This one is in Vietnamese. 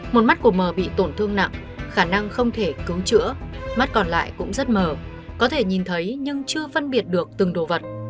một mắt của mờ bị tổn thương nặng khả năng không thể cứu chữa mắt còn lại cũng rất mờ có thể nhìn thấy nhưng chưa phân biệt được từng đồ vật